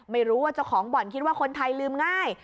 ไม่รู้ว่าเจ้าของบ่อนคิดว่าคนไทยลืมง่าย